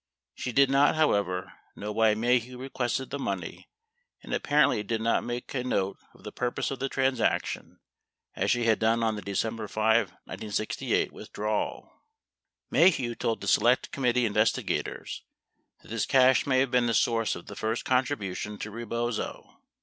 She did not, however, know why Maheu requested the money and apparently did not make a note of the purpose of the transaction as she had done on the December 5, 1968 withdrawal. 53 Maheu told the Select Committee investigators that this cash may have been the source of the first contribution to Rebozo.